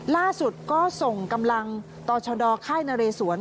ล่าสุดก็ส่งกำลังต่อชดค่ายนเรสวน